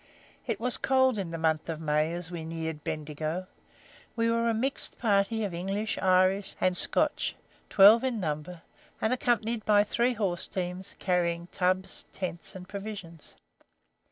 It was cold in the month of May as we neared Bendigo. We were a mixed party of English, Irish, and Scotch, twelve in number, and accompanied by three horse teams, carrying tubs, tents, and provisions.